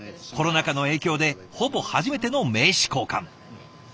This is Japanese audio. コロナ禍の影響でほぼ初めての名刺交換。